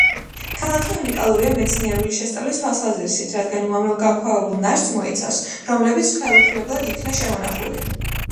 ქალაქი უნიკალურია მეცნიერული შესწავლის თვალსაზრისით, რადგან უამრავ გაქვავებულ ნაშთს მოიცავს, რომლებიც ხელუხლებლად იქნა შემონახული.